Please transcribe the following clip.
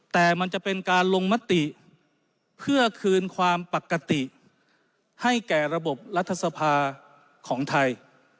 แต่มันจะเป็นการลงมติเพื่อคืนความปกติให้แก่ระบบรัฐสภาของไทย